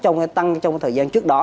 trong cái tăng trong cái thời gian trước đó